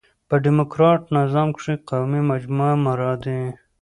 په ډيموکراټ نظام کښي قومي مجموعه مراد يي.